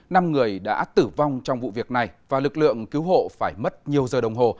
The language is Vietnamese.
năm người đã tử vong trong vụ việc này và lực lượng cứu hộ phải mất nhiều giờ đồng hồ